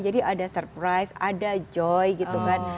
jadi ada surprise ada joy gitu kan